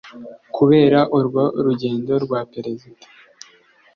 Kubera urwo rugendo rwa Perezida